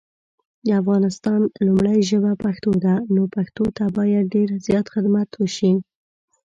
د افغانستان لومړی ژبه پښتو ده نو پښتو ته باید دیر زیات خدمات وشي